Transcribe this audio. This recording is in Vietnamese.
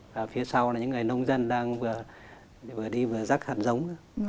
và phía sau là những người nông dân đang vừa đi vừa rắc hạt giống